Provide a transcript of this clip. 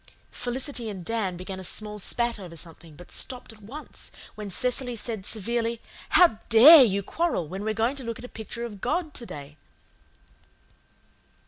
Felicity and Dan began a small spat over something, but stopped at once when Cecily said severely, "How DARE you quarrel when you are going to look at a picture of God to day?"